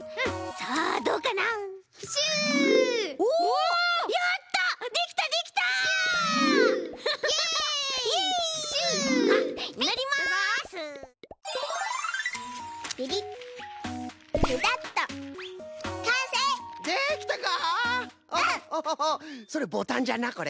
それボタンじゃなこれ。